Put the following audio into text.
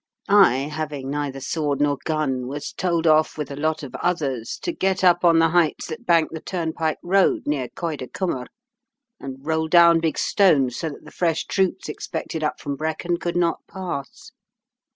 I, having neither sword nor gun, was told off with a lot of others to get up on the heights that bank the turnpike road near Coedycymmer, and roll down big stones, so that the fresh troops expected up from Brecon could not pass.